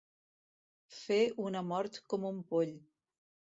Fer una mort com un poll.